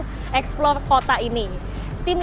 jadi tidak ada alasan ya buat saya mau keliling keliling dulu